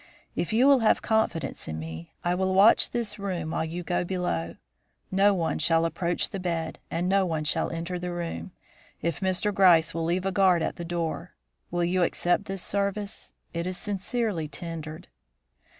If you will have confidence in me, I will watch this room while you go below. No one shall approach the bed and no one shall enter the room, if Mr. Gryce will leave a guard at the door. Will you accept this service? It is sincerely tendered."